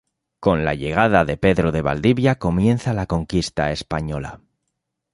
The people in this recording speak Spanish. Con la llegada de Pedro de Valdivia comienza la conquista española.